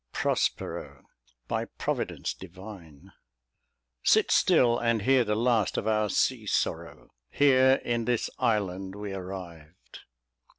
Pro. By Providence divine. Sit still, and hear the last of our sea sorrow. Here in this island we arrived.